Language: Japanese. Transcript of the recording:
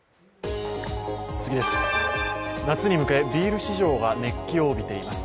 夏に向け、ビール市場が熱気を帯びています。